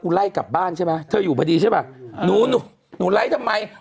ไล่กลับบ้านใช่ไหมเธออยู่พอดีใช่ป่ะหนูหนูไล่ทำไม